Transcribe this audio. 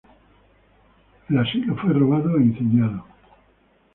El asilo fue robado e incendiado.